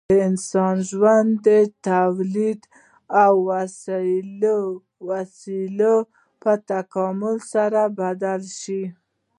د انسان ژوند د تولیدي وسایلو په تکامل سره بدل شو.